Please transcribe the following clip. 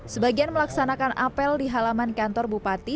sebagian melaksanakan apel di halaman kantor bupati